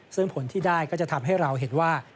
ซึ่งผลที่ได้ก็จะทำให้เราเห็นว่า